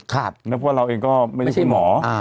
คำว่าเราเองก็ไม่ใช่คุณหมอ